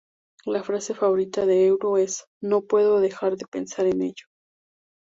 La frase favorita de Eru es "¡No puedo dejar de pensar en ello!